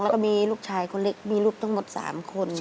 แล้วก็มีลูกชายคนเล็กมีลูกทั้งหมด๓คน